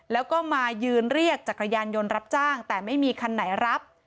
แล้วก็มายืนเรียกจักรยานยนต์รับจ้างแต่ไม่มีคันไหนรับ